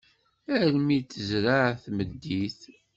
Almi i d-tezreɛ tmeddit.